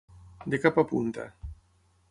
De cap a punta.